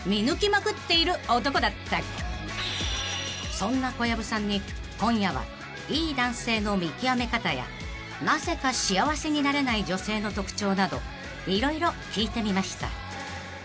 ［そんな小籔さんに今夜はいい男性の見極め方やなぜか幸せになれない女性の特徴など色々聞いてみました］